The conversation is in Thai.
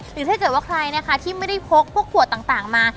หรือถ้าเกิดว่าใครนะคะที่ไม่ได้พกพวกขวดต่างมา